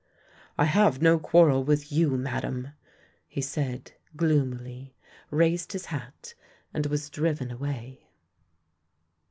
"" I have no quarrel with you, Madame! " he said gloomily, raised his hat, and was driven away.